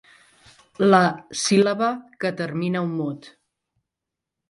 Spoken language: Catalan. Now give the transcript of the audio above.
La síl·laba que termina un mot.